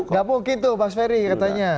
tidak mungkin itu pak sferi katanya